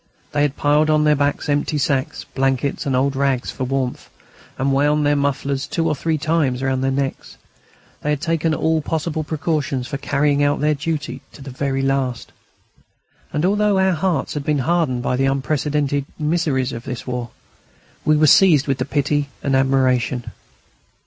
They had piled on their backs empty sacks, blankets, and old rags, for warmth, and wound their mufflers two or three times round their necks; they had taken all possible precautions for carrying out their duty to the very last. And although our hearts had been hardened by the unprecedented miseries of this war, we were seized with pity and admiration.